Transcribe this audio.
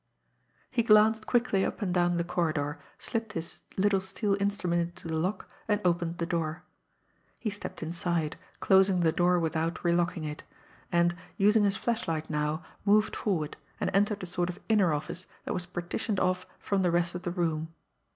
He glanced quickly up and down the corridor, slipped his little steel instrument into the lock, and opened the door. He stepped inside, closing the door without re locking it; and, using his flashlight now, moved forward, and entered a sort of inner office that was partitioned off from the rest of the room.